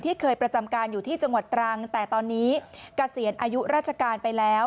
เคยประจำการอยู่ที่จังหวัดตรังแต่ตอนนี้เกษียณอายุราชการไปแล้ว